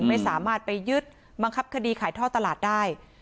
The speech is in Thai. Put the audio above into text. ไม่สามารถไปยึดบังคับคดีขายท่อตลาดได้